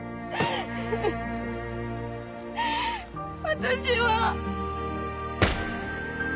私は。